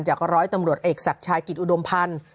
ร้อยตำรวจเอกศักดิ์ชายกิจอุดมพันธ์